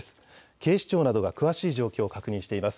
警視庁などが詳しい状況を確認しています。